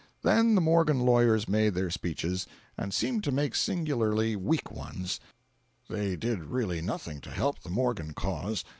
Then the Morgan lawyers made their speeches, and seemed to make singularly weak ones—they did really nothing to help the Morgan cause.